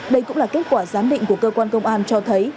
đây cũng là kết quả giám định của cơ quan công an cho thấy